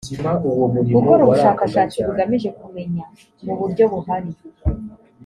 gukora ubushakashatsi bugamije kumenya mu buryo buhari